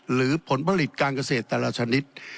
หรือผลผลิตการเกษตรแต่ละชนิด